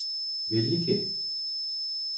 Belli ki.